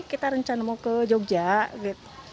kita rencana mau ke jogja gitu